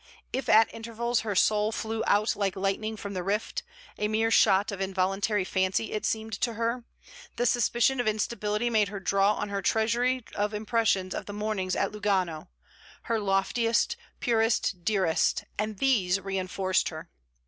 If at intervals her soul flew out like lightning from the rift (a mere shot of involuntary fancy, it seemed to her), the suspicion of instability made her draw on her treasury of impressions of the mornings at Lugano her loftiest, purest, dearest; and these reinforced her.